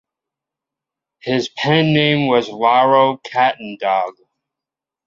His pen name was Lauro Katindog.